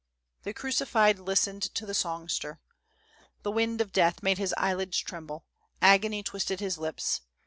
" The crucified listened to the songster. The wind of death made his eyelids tremble ; agony twisted his lips.